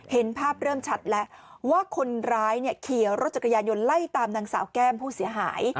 เห็นภาพเริ่มชัดแล้วว่าคนร้ายขี่รถจักรยานยนต์ไล่ตามนางสาวแก้มผู้เสียหาย